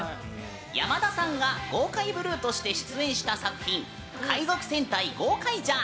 山田さんがゴーカイブルーとして出演した作品「海賊戦隊ゴーカイジャー」。